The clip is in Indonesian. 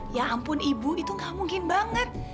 ya ampun ibu itu gak mungkin banget